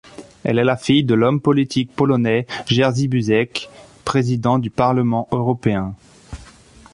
Elle est la fille de l'homme politique polonais Jerzy Buzek, président du Parlement européen.